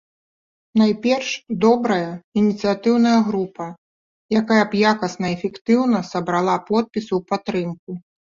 Найперш, добрая ініцыятыўная група, якая б якасна і эфектыўна сабрала подпісы ў падтрымку.